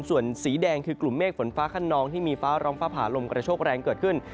ส่วนสีแดงคือกลุ่มเมฆฝนฟ้าขนองที่มีฟ้าร้องฟ้าผ่าลมกระโชคแรงเกิดขึ้น